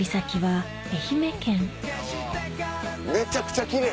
めちゃくちゃ奇麗。